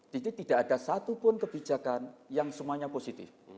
jadi tidak ada satupun kebijakan yang semuanya positif